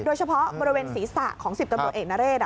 โดยเฉพาะบริเวณศีรษะของ๑๐ตำรวจเอกนเรศ